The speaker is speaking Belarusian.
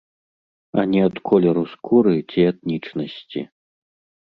А не ад колеру скуры ці этнічнасці.